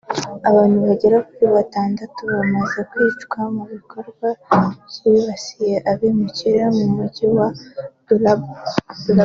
Abantu bagera kuri batandatu bamaze kwicirwa mu bikorwa byibasiye abimukira mu mujyi wa Durban